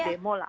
aksi demo lah